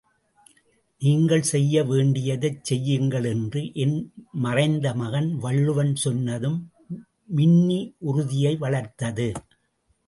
நீங்கள் செய்ய வேண்டியதைச் செய்யுங்கள் என்று, என் மறைந்த மகன் வள்ளுவன் சொன்னதும் மின்னி, உறுதியை வளர்த்தது.